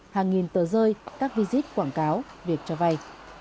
hàng nghìn tờ rơi các visit quảng cáo việc cho vay